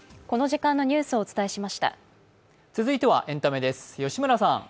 続いてはエンタメです。